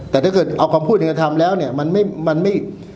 แต่ถ้าเกิดเอาคำพูดอย่างกันทำแล้วเนี้ยมันไม่มันไม่